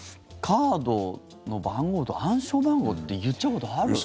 カードの番号と暗証番号って言っちゃうことある？